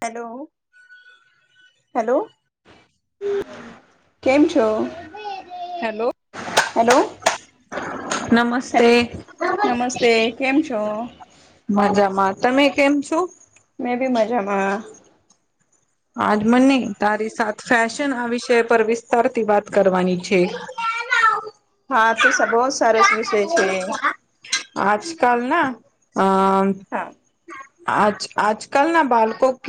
Hello hello કેમ છો hello hello નમસ્તે નમસ્તે કેમ છો મજામાં તમે કેમ છો. મેં બી મજામાંયા આજ મને તારી સા ફેશન આ વિષય પર વિસ્તારથી વાત કરવાની છે. હા તો બહ જ સરસ વિષય છે. આજકાલ ના અ હા આજ આજ કલ ના બળકો ક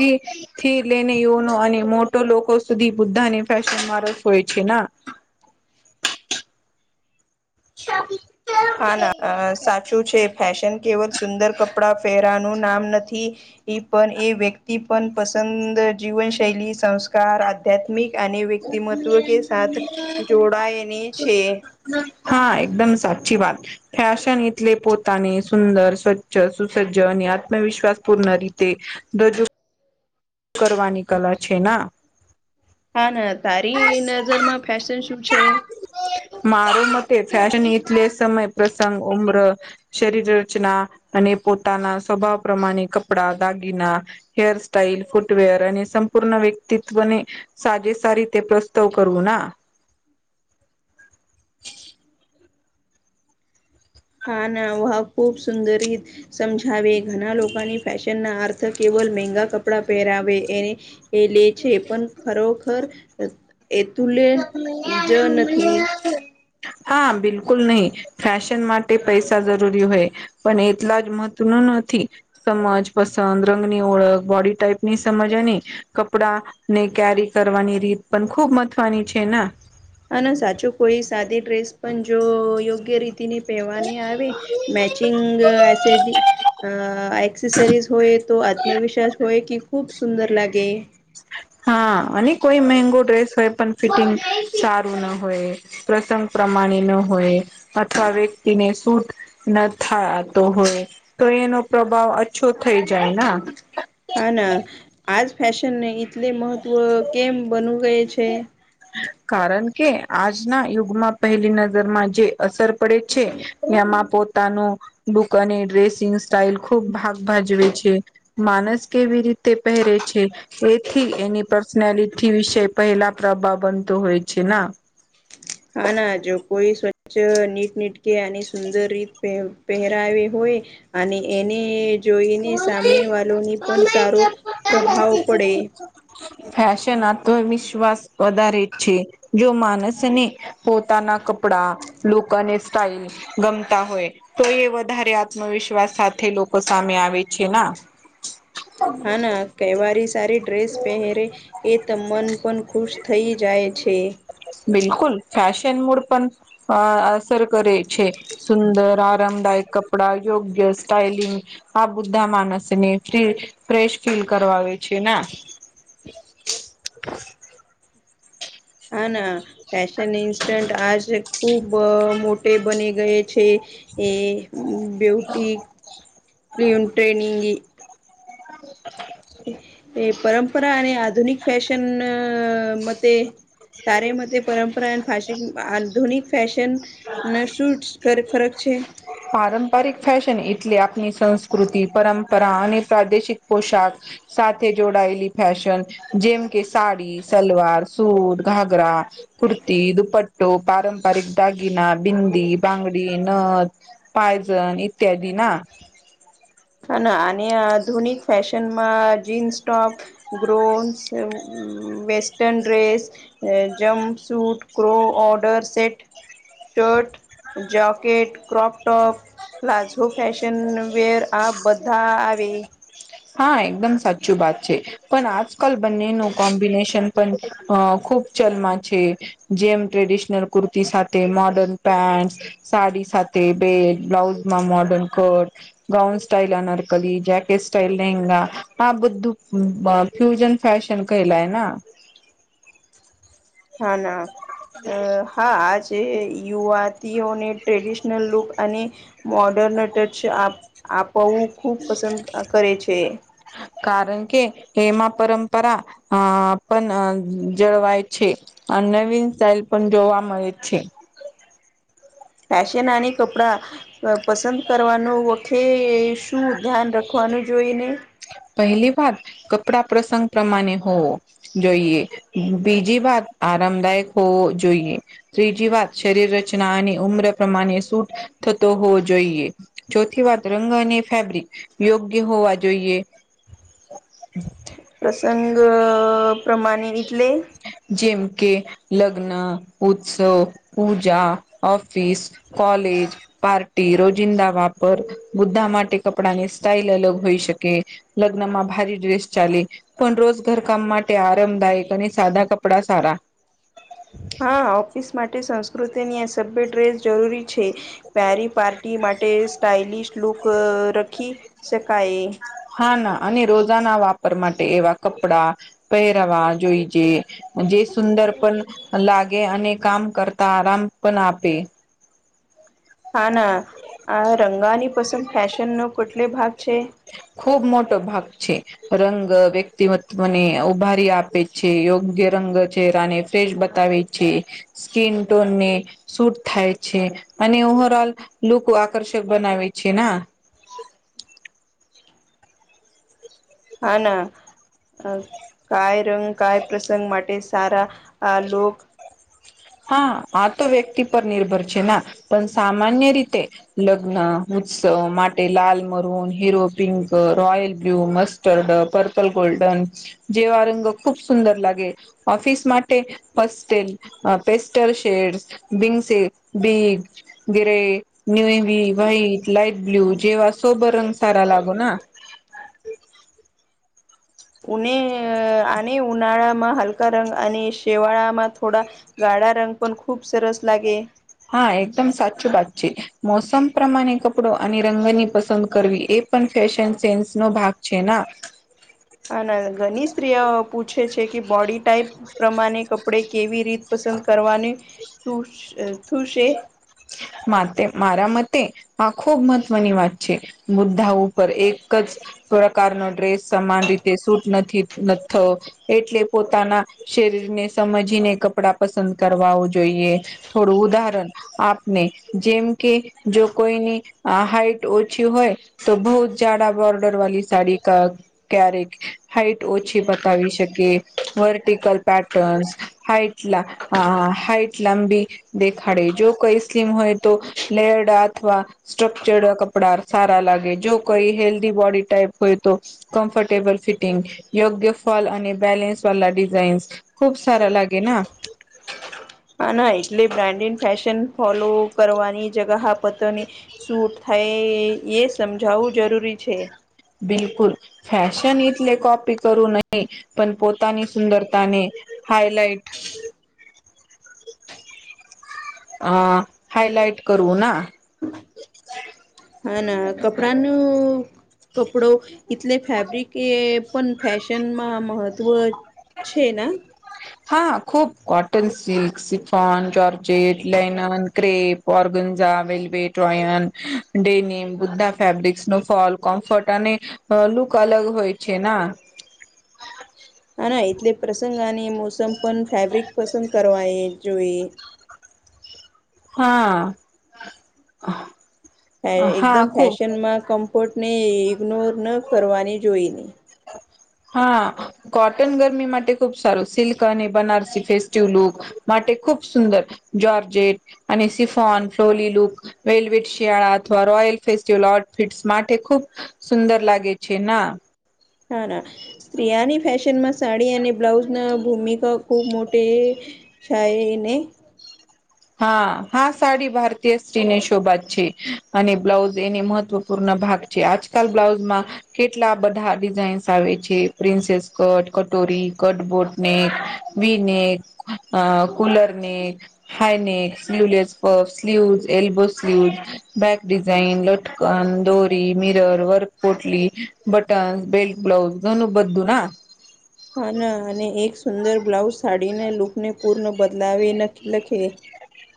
થી લઈને યુનો અને મોટો લોકો સુધી બુધાને ફેશન મારસ હોય છે. [unintelligible] હા, ના સાચું છે. ફેશન કેવલ સુંદર કપડા ફેરાનું નામ નથી. એ પણ એ વ્યક્તિ પણ પસંદ જીવન શૈલી સંસ્કાર આધ્યાત્મિક અને વ્યક્તિમત્વ કે સા જોડાાયને છે, હા, એકદમ સાચી વાત ફેશન એટલે પોતાને સુંદર સ્વચ્છ સુસજ્જ અને આત્મવિશ્વાસ પૂર્ણ રીતે, દજું કરવાની કલા છે, ના હા, ના તારી નજરમાં ફેશન શું છે, મારો મતે ફેશન એટલે સમય પ્રસંગ ઉમર શરીર રચના અને પોતાના સ્વભાવ પ્રમાણે કપડા દાગીના હેર સ્ટાાઈલ ફૂટવેર અને સંપૂર્ણ વ્યક્તિત્વને, સાજેસા રીતે પ્રસ્તાવ કરવું ના, હા ના વા ખૂબ સુંદરી સમજાવે ઘણા લોકોની ફેશન ના અર્થ કેવલ મંગા કપડા પહેરાવે એને એ લે છે પણ ખરોખર એતુલ્ય જ નથી. હા, બિલકુલ નહીિ ફેશન માટે પૈસા જરૂરી હોય, પણ એટલા જ મહત્ ન નથી સમજ પસંદ રંગની ઓળખ બોડી ટાઈપની સમજ નહી, કપડા ને કેરી કરવાની રીત પણ ખૂબ મથવાની છે, ના હા, ના સાચું કોઈ સાદી ડ્રેસ પણ જો યોગ્ય રીતિની પેવાની આવી મેચિંગ આઈસેડી અ એક્સેસરીઝ હોય, તો આત્મવિશ્વાસ હોય કે ખૂબ સુંદર લાગે હા, અને કોઈ મેંગો ડ્રેસ હોય, પણ ફિટિંગ સારું ન હોય, પ્રસંગ પ્રમાણે ન હોય અથવા વ્યક્તિને શૂટ નથા તો હોય તો એનો પ્રભાવ અછો થઈ જાય ના હા ના આજ ફેશનને એટલે મહત્વ કેમ બનવુ હોઈ છે, કારણ કે આજના યુગમાં પહેલી નજરમાં જે અસર પડે છે, એમાં પોતાનું દુકાને ડ્રેસિંગ સ્ટાઈલ ખુબ ભાગ ભાજવે છે, માનસ કેવી રીતે પહેરે છે, એથી એની પર્સનાલિટી વિશે પહેલા પ્રભાવ બનતો હોય છે ના, હા, ના જો કોઈ સ્વચ્છ નીટ નીટ કે અને સુંદર રીત પહેરાવે હોય, અને એને જોઈને સામને વાલોની પણ સારો પ્રભાવ પડે ફેશન આત્મવિશ્વાસ વધારે છે જો માણસને પોતાના કપડા લોકોને સ્ટાઇલ ગમતા હોય તો એ વધારે આત્મવિશ્વાસ સાથે લોકો સામે આવે છે ના હા ના તહેવારી સારી ડ્રેસ પહેરે એતો મન પણ ખુશ થઈ જાય છે, બિલકુલ ફેશન મૂડ પણ અ અસર કરે છે, સુંદર આરામદાયક કપડા યોગ્ય સ્ટાઇલિંગ આ બુઢા માણસ ને ફ ફ્રેશ ફીલ કરવાવે છે ને, [inaudible] હા, ના ફેશન ઇન્સ્ટન્ટ આજે ખુબ મોટે બની ગઈ છે એ બ્યુટી [unintelligible] હ એ પરંપરા અને આધુનિક ફેશન મતે તારે મ પરંપરા ફશ આધુનિક ફશન ના શૂટ્સ કર ફરક છે પારંપરિક ફેશન એટલે આપણી સંસ્કૃતિ પરંપરા અને પ્રાદેશિક પોશાક સાથે જોડાયેલી ફેશન જેમ કે સાડી સલવાર સુૂટ ઘાગરા કુર્તી દુપટ્ટો પારંપરિક દાગીના બિંદી બંગડી નથ પાયજન ઈત્યાદ ના હ અને આધુનિક ફેશનમાં જીન્સ ટોપ ગ્રોન્સ વેસ્ટન ડ્રેસ અ jumpsuit co order set shirt jacket crop top palazzo fashion વર આ બધા આવે હા એકદમ સાચું બાત છે. પણ આજકલ બંને નો કોમ્બિનેશન પણ અ ખુબ ચલમાં છે. જેમ ટ્રેડિશનલ કુર્તી સાથે મોર્ડર્ન પેન્ટ સાડી સાથે બેટ બ્લાઉઝમાં modern cut. Gown style anarkali, jacket કૈલગા હા બધું ફ્યુજન ફેશન કૈલાયના હા ના અ હાજ જે યુવાતીઓને ટ્રેડિશનલ લુક અને મોર્ડર્ન ટચ આપ આપવું ખૂબ પસંદ કરે છે. કારણ કે એમાં પરંપરા અ પણ જળવાય છે. આ નવીન સ્ટાઇલ પણ જોવા મળે છે. ફેશનની કપડા પસંદ કરવાનું વખે શું ધ્યાન રખવાનું જોઈને પહેલી વાત કપડા પ્રસંગ પ્રમાણે હોવો જોઈએ. બીજી વાત આરામદાયક હોવો જોઈએ. ત્રીજી વાત શરીર રચના અને ઉમ્ર પ્રમાણે સૂટ થતો હોવો જોઈએ. ચોથી વાત રંગ અને ફેબ્રિક યોગ્ય હોવા જોઈએ. [inaudible] પ્રસંગ પ્રમાણે એટલે જેમ કે લગ્ન, ઉત્સવ, પૂજા, ઓફિસ કોલેજ પાર્ટી રોજિંદા વાપર બુદ્ધા માટે કપડાની સ્ટાાઈલ અલગ હોઈ શકે. લગ્ન માં ભારી ડ્રેસ ચાલે પણ રોજ ઘરકામ માટે આ આરામદાયક અને સાદા કપડા સારા. હા ઓફિસ માટે સંસ્કૃતિની અ સભ્ય ડ્રેસ જરૂરી છે. પરી પાર્ટી માટે સ્ટાઇલિશ લુક રખી શકાય. હા ના અને રોજાના વાપર માટે એવા કપડા પહેરવા જોઈએ. જે સુંદર પણ લાગે અને કામ કરતા આરામ પણ આપે. હા ના આ રંગાની પસંદ ફેશન નો કુટલે ભાગ છે. ખુબ મોટો ભાગ છે. રંગ વ્યક્તિમતમને ઉભારી આપે છે. યોગ્ય રંગ ચરાને ફ્રેશ બતાવે છે. સ્કીિન ટોનને સુૂટ થાય છે, અને ઓવર ઓલ લુક આકર્ષક બનાવે છે ના. હા ના કાય રંગ કાય પ્રસંગ માટે સારા. આ લોક હા આ તો વ્યક્તિ પર નિર્ભર છે ના, પણ સામાન્ય રીતે લગ્ન ઉત્સવ માટે લાલમરૂન, હિરો પિંક, રોયલ બ્લ્યુ મસ્ત ટર્ડ પર્પલ ગોલ્ડન જેવા રંગો ખુબ સુંદર લાગે. ઓફિસ માટે ફસ્ટેલ અ પેસ્ટલ શેડ્સ, બિંગસે બીગ ગેરે, નિવી વ્હાઈટ, લઈટ બ્લ્યુ, જેવા સોબ રંગ સારા લાગો ના. ઉને આને ઉનાળા માં હલકા રંગ અને શેવાળામાં થોડા ગાળા રંગ પણ ખૂબ સરસ લાગે. હા એકદમ સાચું વાત છે. મોસમ પ્રમાણે કપડો અને રંગની પસંદ કરવી એ પણ ફેશન સેન્સ નો ભાગ છે ના. હા ના ઘની સ્ત્રી પૂછે છે કે બોડી ટાઈપ પ્રમાણે કપડે કેવી રીત પસંદ કરવાની થું થુશે? માતે મારા મતે આ ખુબ મહત્વની વાત છે. મુદ્દા ઉપર એક જ પ્રકારનો ડ્રેસ સમાન રીતે સૂટ નથી એટલે પોતાના શરીરને સમજીને કપડાં પસંદ કરવાવું જોઈએ થોડું ઉદહરણ આપને જેમ કે જો કોઈની હાઈટ ઓછી હોય તો બહુત જડા બોર્ડર વાી સાડી કા ક્યારેક હાઈટ ઓછી બતાવી શકે વર્ટિકલ પેટર્ન્સ હાાઈટ લ હાઈટ લંબી ખાડે જો કઈ સ્લીમ હોય તો લેરડ અથવા સ્ટ્રક્ચર્ડ કપડા સારા લાગે જો કોઈ હેલ્ધી બોડી ટાઈપ હોય તો કમ્ફર્ટેબલ ફિટિંગ યોગ્ય ફલ અને બ બેલેન્સ વાલા ડિઝાઇન્સ ખુબ સારા લાગે ના હા ના એટલે બ્રાન્ડેડ ફેશન ફોલો કરવાની જગહ પતોની શૂટ થાય એ સમજાવવું જરૂરી છે બિલકુલ ફેશન ટલે કોપી કરું નહી પણ પોતાની સુંદરતાને હાઈલાઈટ હાાઈલાઇટ કરું ના હા ના કપડાનું કપડો એટલે ફેબ્રિક એ પણ ફેશનમાં મહત્વ છેના હા ખૂબ cotton silk chiffon georgette linen crepe organza velvet ટ્રોયન ડેનિમ બુદ્ધા ફેબ્રિક સ્નોફોલ કોમ્ફર્ટ અને અ લુક અલગ હોય છે ના હા ના એટલે પ્રસંગ અને મોસમ પણ ફેબ્રિક પસંદ કરવા એ જોઈએ હા હા એકદમ ખુબ ફેશનમાં કમ્ફર્ટ ને ઇગ્નોર ન કરવાની જોઈને. હા કોટન ગરમી માટે ખુબ સારું સિલ્ક અને બનારસી ફેસ્ટિવ લુક. માટે ખુબ સુંદર જર્જેટ અને સિફોન ફ્લી લુક. વેલવેટ શિયાળા અથવા રોયલ ફેસ્ટિવલ આટફિટ માટે ખૂબ સુુંદર લાગે છે ના હા ના સ્તિયાની ફેશન માં સાડી અને બ્લાઉઝ ના ભૂમિકા ખુબ મોટી છે એને હા હા સાડી ભારતીય સ્ટ્રીને શોભાત છે અને બ્લાઉઝ એને મહત્વપૂર્ણ ભાગ જે આજકાલ બ્લાઉઝમાં કેટલા બધા ડિઝાઇન્સ આવે છે પ્રિન્સેસ કટ કટોરી કટબોર્ડ નેક વ એક collar neck. High neck sleeveless puff sleeve elbow sleeves. બ બેક ડિઝાઇન લટકન દોરી મિરર વર્કપટલી. બટન્સ બેલ્ટ બ્લાઉઝ ઘણું બધું ના. હા ના અને એક સુંદર બ્લાઉઝ સાડીના લૂકને પૂર્ણ બદલાવે લખે.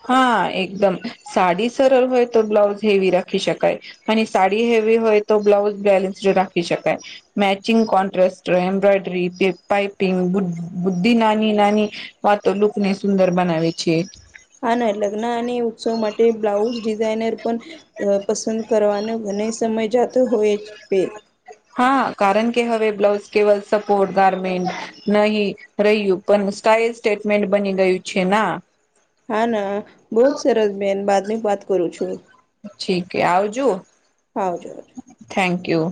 હા એકદમ સાડી સરળ હોય તો બ્લાઉઝ હેવી રાખી શકાય. અને સાડી હેવી હોય તો બ્લાઉઝ બેલેન્સડ રાખી શકાય. મેચિંગ કોન્ટ્રાસ એમ્બ્રોયડરી પાપિંગ બુદ્ધિ નાની નાની. વા તો લુક ને સુંદર બનાવે છે. હા ના લગ્ન અને ઉત્સવ માટે બ્લાઉઝ ડિઝાઇનર પણ પસંદ. કરવાનો ઘણ સમય જાતો હોય બેે. હા કારણ કે હવે બ્લાઉઝ કેવલ સપોર્ટ ગાર્મેન્ટ નહી. રહ્યું પણ સ્ટાઈલ સ્ટેટમેન્ટ બની ગયું છે ના. હા ના બહ જ સરસ બેન બાદની વાત કરું છું. ઠીકે આવજો. હજ. Thank you.